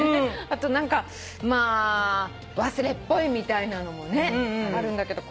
あと何か忘れっぽいみたいなのもあるんだけど。